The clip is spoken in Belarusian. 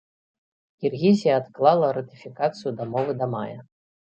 Кіргізія адклала ратыфікацыю дамовы да мая.